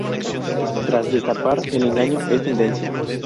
Tras destapar el engaño, es detenida.